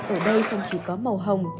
ở đây không chỉ có màu hồng